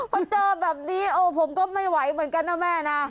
มันเจอแบบนี้โอ้ผมก็ไม่ไหวเหมือนกันนะแม่นะ